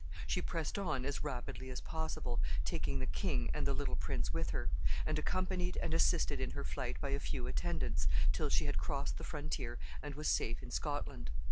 She pressed on as rapidly as possible, taking the king and the little prince with her, and accompanied and assisted in her flight by a few attendants, till she had crossed the frontier and was safe in Scotland.